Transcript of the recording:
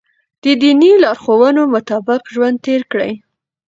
د دیني لارښوونو مطابق ژوند تېر کړئ.